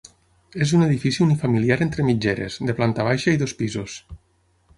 És un edifici unifamiliar entre mitgeres, de planta baixa i dos pisos.